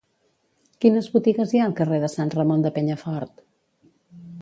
Quines botigues hi ha al carrer de Sant Ramon de Penyafort?